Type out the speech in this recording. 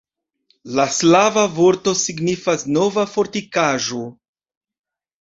La slava vorto signifas Nova fortikaĵo.